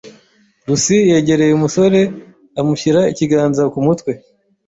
Lucy yegereye umusore amushyira ikiganza ku mutwe. )